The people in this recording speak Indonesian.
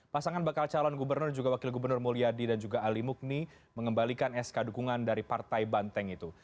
pasangan bakal calon gubernur juga wakil gubernur mulyadi dan juga ali mukni mengembalikan sk dukungan dari partai banteng itu